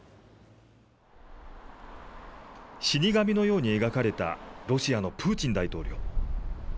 死に神のように描かれたロシアのプーチン大統領。